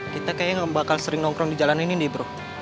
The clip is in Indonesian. kita kayaknya bakal sering nongkrong di jalan ini nih bro